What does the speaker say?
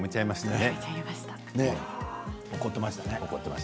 怒っていましたね。